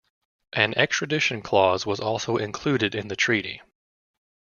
An extradition clause was also included in the treaty.